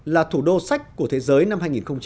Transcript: là thủ đô sách của thế giới năm hai nghìn một mươi chín